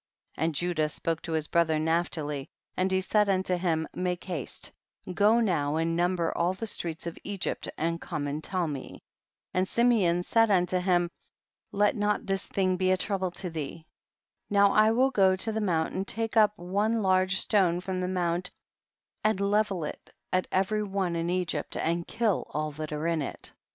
33. And Judah spoke to his bro ther Naphtali, and he said unto him, make haste, go now and number all the streets of Egypt and come and tell me; and Simeon said unto him, let not this thing be a trouble to thee ; now I will go to the mount and take up one large stone from the mount and level it at every one in Egypt and kill all that are in it.